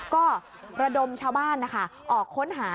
ก็ระดมชาวบ้านนะคะออกค้นหา